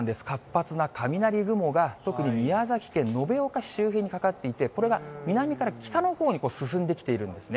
かなり活発な雷雲がかかっていて、特に宮崎県延岡市周辺にかかっていて、これが南から北のほうに進んできているんですね。